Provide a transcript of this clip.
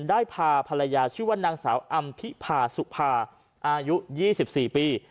ได้พาภรรยาชื่อว่านางสาวอำพิพาสุภาอายุ๒๔ปี